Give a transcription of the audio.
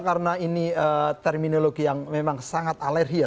karena ini terminologi yang memang sangat alergi ya